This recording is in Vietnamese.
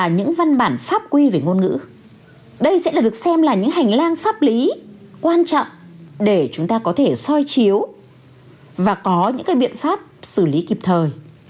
những hành lang pháp lý quan trọng để chúng ta có thể soi chiếu và có những cái biện pháp xử lý kịp thời